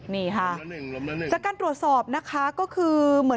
นี่ค่ะสักการตรวจสอบนะคะก็คือ